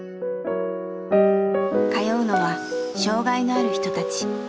通うのは障害のある人たち。